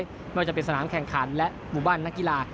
ไม่ว่าจะเป็นสนามแข่งขันและหมู่บ้านนักกีฬา